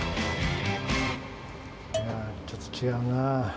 いやー、ちょっと違うな。